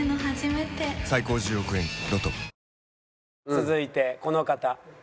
続いてこの方。